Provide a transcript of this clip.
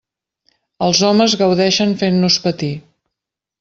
Els homes gaudeixen fent-nos patir.